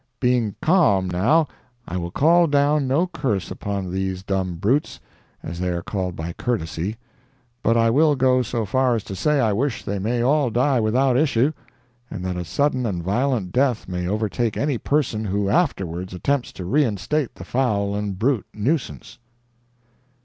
Being calm, now, I will call down no curse upon these dumb brutes (as they are called by courtesy), but I will go so far as to say I wish they may all die without issue, and that a sudden and violent death may overtake any person who afterwards attempts to reinstate the fowl and brute nuisance.